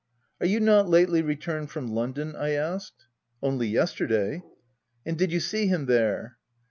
" Are you not lately returned from London ?" I asked. u Only yesterday." " And did you see him there